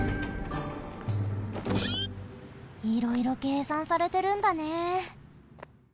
いろいろけいさんされてるんだね。